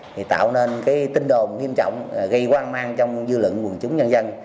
thì tạo nên cái tin đồn nghiêm trọng gây quan mang trong dư lựng quần chúng nhân dân